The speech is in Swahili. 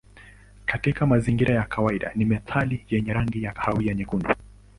Katika mazingira ya kawaida ni metali yenye rangi ya kahawia nyekundu.